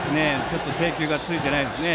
制球がついてないですね。